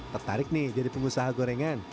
tertarik nih jadi pengusaha gorengan